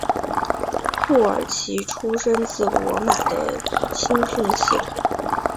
库尔奇出身自罗马的青训系统。